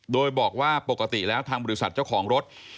โดยบอกว่าปกติแล้วทางบริษัทเจ้าของรถ